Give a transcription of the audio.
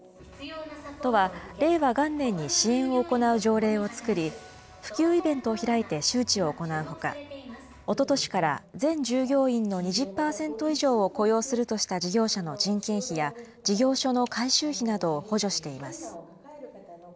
都は令和元年に支援を行う条例を作り、普及イベントを開いて周知を行うほか、おととしから全従業員の２０％以上を雇用するとした事業者の人件費や事業所の改修費などを補助しています。